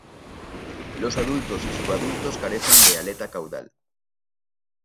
Los adultos y subadultos carecen de aleta caudal.